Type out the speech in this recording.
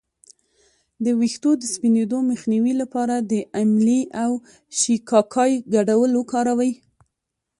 د ویښتو د سپینیدو مخنیوي لپاره د املې او شیکاکای ګډول وکاروئ